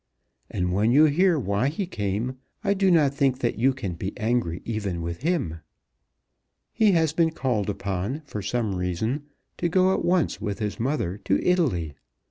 And when you hear why he came I do not think that you can be angry even with him. He has been called upon, for some reason, to go at once with his mother to Italy.